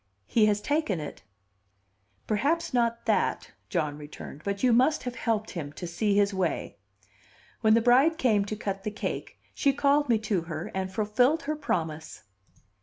"He has taken it." "Perhaps not that," John returned, "but you must have helped him to see his way." When the bride came to cut the cake, she called me to her and fulfilled her promise.